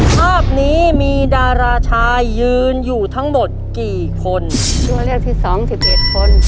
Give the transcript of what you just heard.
ชั่วเรียกที่๒ถือ๑๑คน